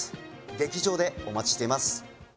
劇場でお待ちしています